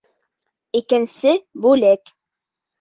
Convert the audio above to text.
ИКЕНСЕ БҮЛЕК